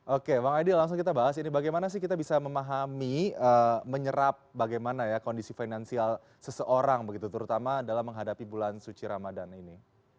oke bang adi langsung kita bahas ini bagaimana sih kita bisa memahami menyerap bagaimana ya kondisi finansial seseorang begitu terutama dalam menghadapi bulan suci ramadan ini